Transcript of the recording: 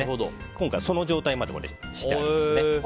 今回、その状態までしてあります。